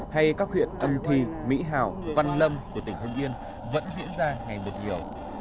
hay các huyện âm thì mỹ hào văn lâm của tỉnh hương yên vẫn diễn ra ngày một nhiều